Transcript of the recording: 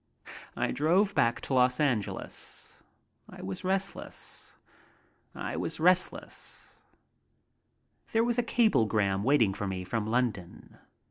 I drove back to Los Angeles. I was restless. There was a cablegram waiting for me from London.